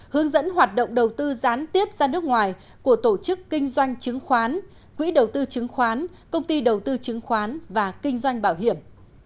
hướng dẫn hoạt động đầu tư gián tiếp ra nước ngoài của tổ chức kinh doanh chứng khoán quỹ đầu tư chứng khoán công ty đầu tư chứng khoán và kinh doanh bảo hiểm